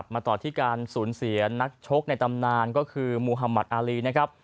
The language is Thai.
มาต่อที่การสูญเสียนักชกในตำนานก็คือมูฮามัติอารีนะครับ